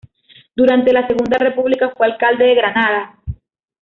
Durante la Segunda República fue alcalde de Granada.